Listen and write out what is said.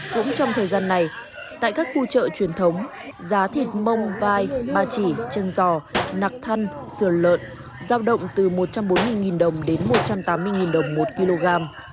cũng trong thời gian này tại các khu chợ truyền thống giá thịt mông vai ba chỉ chân giò nạc thăn sườn lợn giao động từ một trăm bốn mươi đồng đến một trăm tám mươi đồng một kg